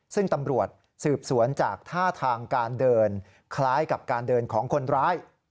ซึ่งตำรวจสืบสวนจากท่าทางการเดินคล้ายกับการเดินของคนร้าย